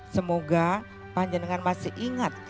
semoga panjenengan masih ingat